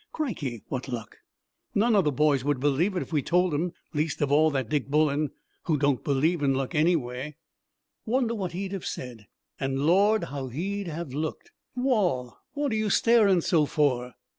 Criky! what luck! None of the boys would believe it if we told 'em least of all that Dick Bullen, who don't believe in luck, anyway. Wonder what he'd have said! and, Lord! how he'd have looked! Wall! what are you starin' so for?"